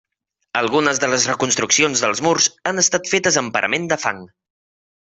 Algunes de les reconstruccions dels murs han estat fetes amb parament de fang.